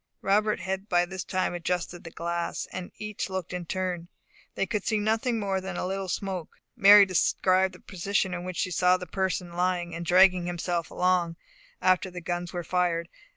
Robert had by this time adjusted the glass, and each looked in turn. They could see nothing more than a little smoke. Mary described the position in which she saw the person lying, and dragging himself along, after the guns were fired.